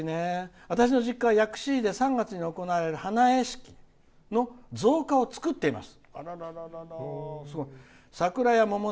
私の実家は薬師寺で３月に行われる花会の造花を作っています。